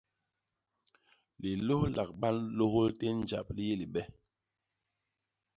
Lilôhlak ba nlôhôl tén njap li yé libe.